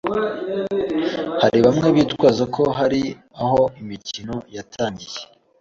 hari bamwe bitwaza ko hari aho imikino yatangiye